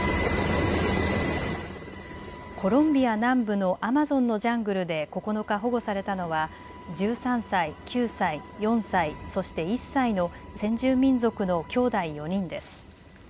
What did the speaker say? コロンビア南部のアマゾンのジャングルで９日保護されたのは１３歳、９歳、４歳そして１歳の先住民族のきょうだい４人です。